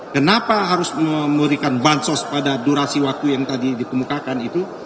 kenapa harus memberikan bansos pada durasi waktu yang tadi dikemukakan itu